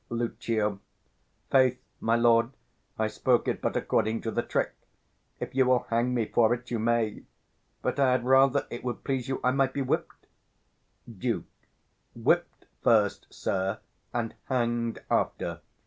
Lucio. 'Faith, my lord, I spoke it but according to the trick. If you will hang me for it, you may; but I had rather it would please you I might be whipt. Duke. Whipt first, sir, and hang'd after.